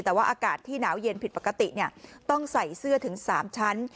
แต่ว่าอากาศที่หนาวเย็นผิดปกติต้องใส่เสื้อถึง๓ชั้น